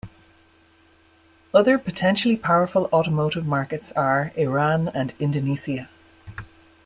Other potentially powerful automotive markets are Iran and Indonesia.